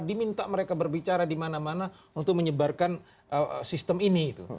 diminta mereka berbicara di mana mana untuk menyebarkan sistem ini